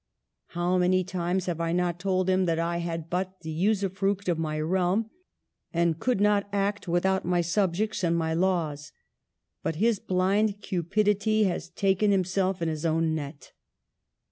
How many times have I not told him that I had but the usufruct of my realm, and could not act without my subjects and my laws? But his blind cupidity has taken himself in his own net."